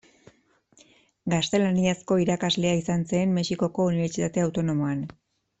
Gaztelaniazko irakaslea izan zen Mexikoko Unibertsitate Autonomoan.